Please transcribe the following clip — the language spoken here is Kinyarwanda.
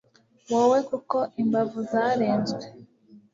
Wowe kuko imbavu zarenzwe